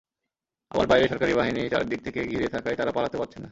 আবার বাইরে সরকারি বাহিনী চারদিক থেকে ঘিরে থাকায় তাঁরা পালাতেও পারছেন না।